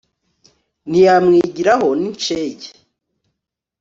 ntiyamwigiraho n'inshege